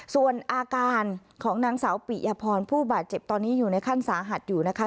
ส่วนอาการของนางสาวปิยพรผู้บาดเจ็บตอนนี้อยู่ในขั้นสาหัสอยู่นะคะ